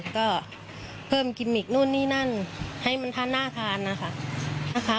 ก็เพิ่มกิมมิกนู่นนี่นั่นให้มันทานน่าทานนะคะ